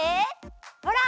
ほら！